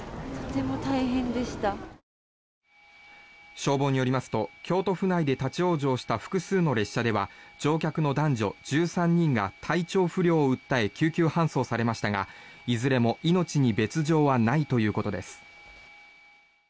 消防によりますと京都府内で立ち往生した複数の列車では乗客の男女１３人が体調不良を訴え救急搬送されましたがいずれも命に別条はないということです。